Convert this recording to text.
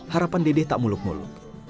harapan dede tak muluk muluk